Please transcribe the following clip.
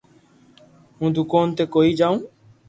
ھون دوڪون تي ڪوئي جاو